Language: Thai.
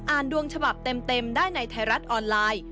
ดวงฉบับเต็มได้ในไทยรัฐออนไลน์